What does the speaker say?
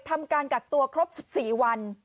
ทำการกักตัวครบ๑๔วัน